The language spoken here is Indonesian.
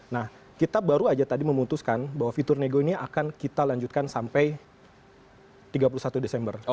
nah kita baru aja tadi memutuskan bahwa fitur nego ini akan kita lanjutkan sampai tiga puluh satu desember